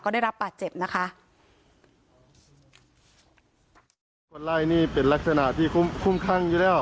ก็ได้รับปลาเจ็บนะคะ